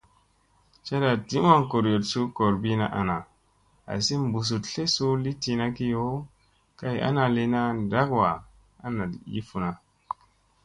Cada di maŋ gooryoɗ suu goorbina ana assi busuɗ tlesu li tina kiyo kay ana lina dakwa a naɗ yi funa.